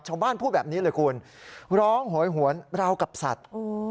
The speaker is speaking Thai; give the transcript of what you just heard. พูดแบบนี้เลยคุณร้องโหยหวนราวกับสัตว์